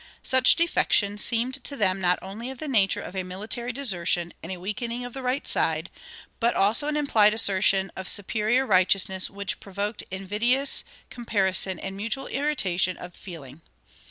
Such defection seemed to them not only of the nature of a military desertion and a weakening of the right side, but also an implied assertion of superior righteousness which provoked invidious comparison and mutual irritation of feeling.